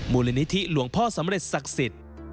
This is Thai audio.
มูลนิธิหลวงพ่อสำเร็จศักดิ์สิทธิ์